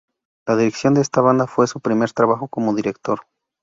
La dirección de esta Banda fue su primer trabajo como director.